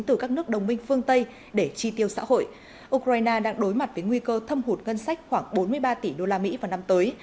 từ các nước đồng minh phương tây để tri tiêu xã hội ukraine đang đối mặt với nguy cơ thâm hụt ngân sách khoảng bốn mươi ba tỷ usd vào năm tới